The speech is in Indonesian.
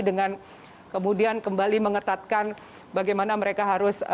dengan kemudian kembali mengetatkan bagaimana mereka harus